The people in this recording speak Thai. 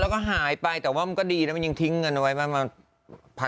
แล้วก็หายไปแต่ว่ามันก็ดีแล้วมันยังทิ้งเงินไว้มา๑๐๐๐๒๐๐๐